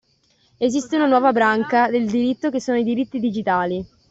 Esiste una nuova branca del diritto che sono i diritti digitali